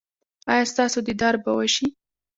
ایا ستاسو دیدار به وشي؟